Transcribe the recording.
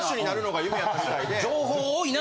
情報が多いな。